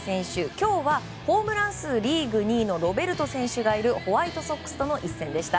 今日はホームラン数リーグ２位のロベルト選手がいるホワイトソックスとの一戦でした。